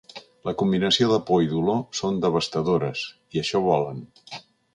La combinació de por i dolor són devastadores, i això volen.